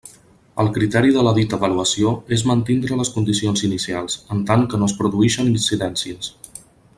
El criteri de la dita avaluació és mantindre les condicions inicials, en tant que no es produïxen incidències.